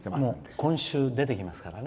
今週、出てきますからね。